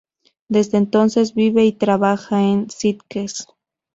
Desde entonces vive y trabaja en Sitges.